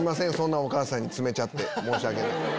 お母さんに詰めちゃって申し訳ない。